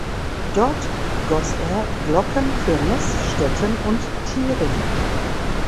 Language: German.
Dort goss er Glocken für Meßstetten und Tieringen.